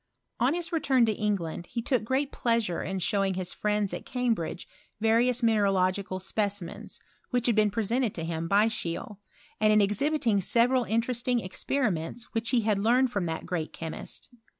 On his return to England he took ^ plea^re in showing his friends at Cambridge vari minemlogical specimens, which had been presea to him by Scheele. and in exhibiting several inten ing experiments which he had learned from t great chemist.